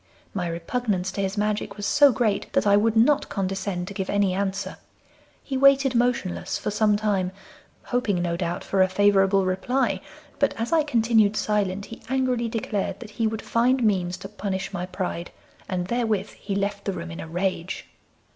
My repugnance to his magic was so great that I would not condescend to give any answer. He waited motionless for some time, hoping no doubt for a favourable reply, but as I continued silent he angrily declared that he would find means to punish my pride, and therewith he left the room in a rage.